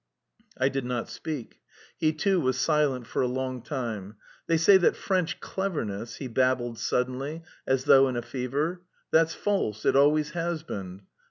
I did not speak. He, too, was silent for a long time. "They say that French cleverness..." he babbled suddenly, as though in a fever... "that's false, it always has been.